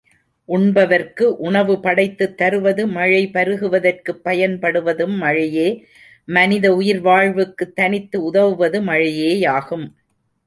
உண்பவர்க்கு உணவு படைத்துத் தருவது மழை பருகுவதற்குப் பயன்படுவதும் மழையே, மனித உயிர் வாழ்வுக்குத் தனித்து உதவுவது மழையேயாகும்.